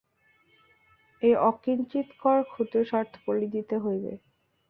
এই অকিঞ্চিৎকর ক্ষুদ্র স্বার্থ বলি দিতে হইবে।